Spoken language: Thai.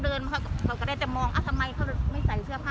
ไม่ค่ะเขากได้มองว่าเขาไม่ใส่เสื้อผ้า